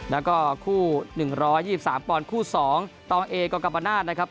แล้วก็คู่๑๒๓ปอนด์คู่๒ตเอกปนาทนะครับ